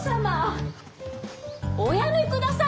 おやめください